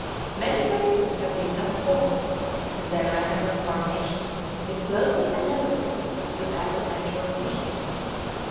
Many races have been thus formed, and their manner of formation is closely analogous to that of natural species.